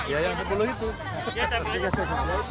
ya yang sepuluh itu